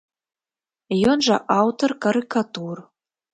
Ён жа аўтар карыкатур.